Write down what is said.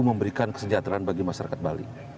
memberikan kesejahteraan bagi masyarakat bali